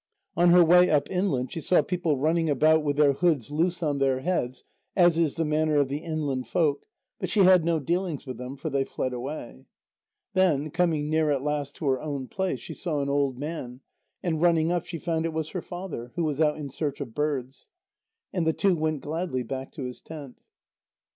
On her way up inland she saw people running about with their hoods loose on their heads, as is the manner of the inland folk, but she had no dealings with them, for they fled away. Then, coming near at last to her own place, she saw an old man, and running up, she found it was her father, who was out in search of birds. And the two went gladly back to his tent.